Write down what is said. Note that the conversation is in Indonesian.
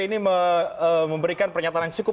ini memberikan pernyataan yang cukup